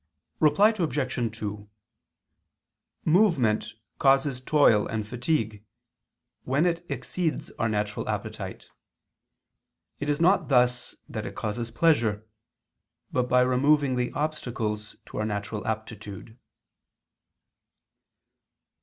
Reply Obj. 2: Movement causes toil and fatigue, when it exceeds our natural aptitude. It is not thus that it causes pleasure, but by removing the obstacles to our natural aptitude.